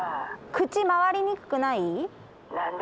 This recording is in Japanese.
口回りにくくない？